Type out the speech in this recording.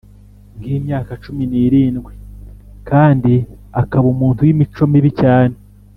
k’imyaka cumi n’irindwi kandi akaba umuntu w’imico mibi cyane.